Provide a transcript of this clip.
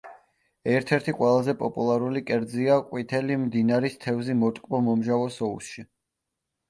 ერთ-ერთი ყველაზე პოპულარული კერძია ყვითელი მდინარის თევზი მოტკბო-მომჟავო სოუსში.